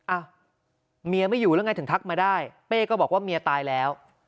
อ่ะเมียไม่อยู่แล้วไงถึงทักมาได้เป้ก็บอกว่าเมียตายแล้ว